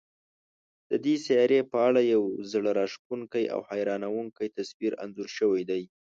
د دې سیارې په اړه یو زړه راښکونکی او حیرانوونکی تصویر انځور شوی دی.